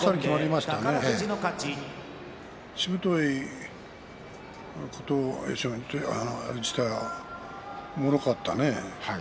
しぶとい琴恵光にしてはもろかったね。